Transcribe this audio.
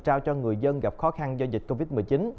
trao cho người dân gặp khó khăn do dịch covid một mươi chín